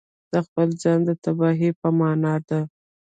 د خپل ځان د تباهي په معنا ده.